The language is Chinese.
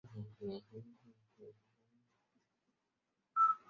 魏王于是以太子为相国。